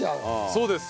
そうです。